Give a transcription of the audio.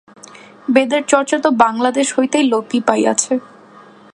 বেদের চর্চা তো বাঙলাদেশ হইতে লোপই পাইয়াছে।